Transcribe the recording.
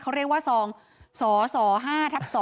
เขาเรียกว่า๒สส๕ทับ๒